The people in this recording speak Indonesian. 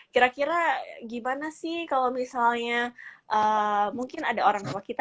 kira kira gimana sih kalau misalnya mungkin ada orang tua kita